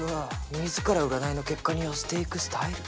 自ら占いの結果に寄せていくスタイル